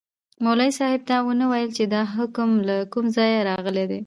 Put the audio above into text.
مولوي صاحب دا ونه ویل چي دا حکم له کومه ځایه راغلی دی.